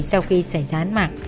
sau khi xảy ra án mạng